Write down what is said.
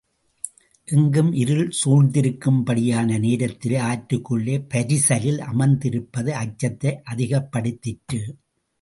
எங்கும் இருள் சூழ்ந்திருக்கும்படியான நேரத்திலே ஆற்றுக்குள்ளே பரிசலில் அமர்ந்திருப்பது அச்சத்தை அதிகப்படுத்திற்று.